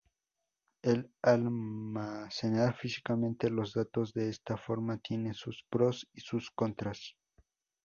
El almacenar físicamente los datos de esta forma tiene sus pros y sus contras.